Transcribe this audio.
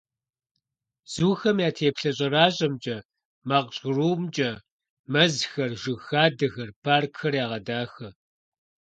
Бзухэм я теплъэ щӀэращӀэмкӀэ, макъ жьгърумкӀэ мэзхэр, жыг хадэхэр, паркхэр ягъэдахэ.